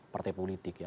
partai politik ya